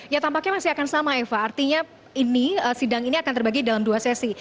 ya tampaknya masih akan sama eva artinya sidang ini akan terbagi dalam dua sesi